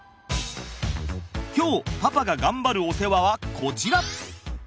今日パパが頑張るお世話はこちら。